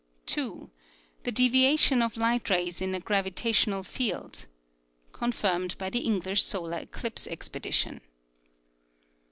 2. The deviation of light rays in a gravita tional field (confirmed by the English Solar Eclipse expedition).